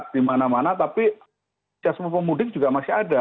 di mana mana tapi jasa pemudik juga masih ada